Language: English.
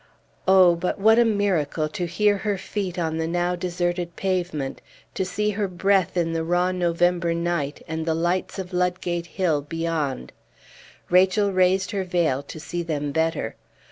Oh, but what a miracle to hear her feet on the now deserted pavement, to see her breath in the raw November night, and the lights of Ludgate Hill beyond! Rachel raised her veil to see them better.